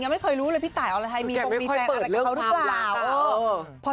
ไม่เคยรู้เลยพี่ตายอรไทยมีบงมีแฟนอะไรกับเขาหรือเปล่า